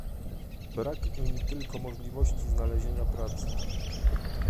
Brak im tylko możliwości znalezienia pracy